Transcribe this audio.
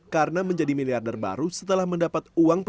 karena menjadi miliarder baru setelah mendapat uang papan